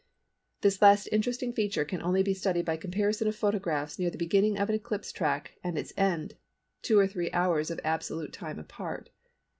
This last interesting feature can be studied only by comparison of photographs near the beginning of an eclipse track and its end, two or three hours of absolute time apart."